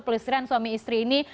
pelistiran suami istri ini